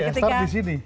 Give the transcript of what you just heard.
iya start di sini